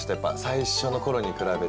最初の頃に比べて。